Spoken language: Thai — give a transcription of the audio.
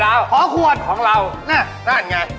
ทุกวันนี้เรียนรู้ไหม